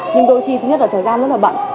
nhưng đôi khi thứ nhất là thời gian rất là bận